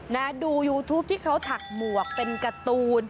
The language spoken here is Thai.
นะดูยูทูปที่เขาถักหมวกเป็นการ์ตูน